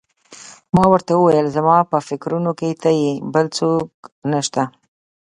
ما ورته وویل: زما په فکرونو کې ته یې، بل څوک نه شته.